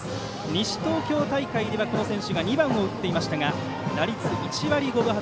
西東京大会では、この選手が２番を打っていましたが打率１割５分８厘。